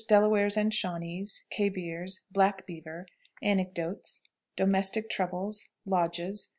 Delawares and Shawnees. Khebirs. Black Beaver. Anecdotes. Domestic Troubles. Lodges.